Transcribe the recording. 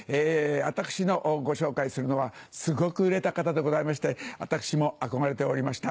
私のご紹介するのはすごく売れた方でございまして私も憧れておりました。